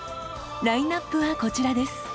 ラインナップはこちらです。